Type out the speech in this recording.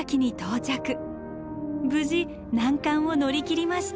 無事難関を乗り切りました。